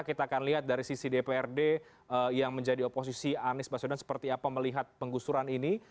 kita akan lihat dari sisi dprd yang menjadi oposisi anies baswedan seperti apa melihat penggusuran ini